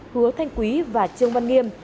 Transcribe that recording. hứa thanh quý và trương văn nghiêm